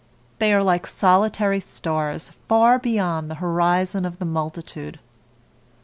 They are like solitary stars, far beyond the horizon of the multitude.